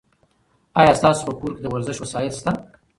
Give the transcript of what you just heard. ایا ستاسو په کور کې د ورزش وسایل شته؟